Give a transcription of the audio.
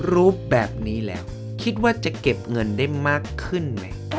รู้แบบนี้แล้วคิดว่าจะเก็บเงินได้มากขึ้นไหม